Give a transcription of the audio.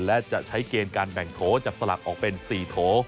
และจะใช้เกณฑ์การแบ่งโถจับสลักออกเป็น๔โถ